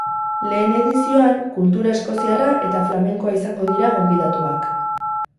Lehen edizioan, kultura eskoziarra eta flamenkoa izango dira gonbidatuak.